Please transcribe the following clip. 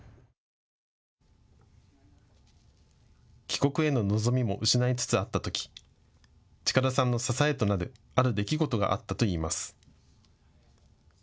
帰国への望みも失いつつあったとき近田さんの支えとなるある出来事があったといいます。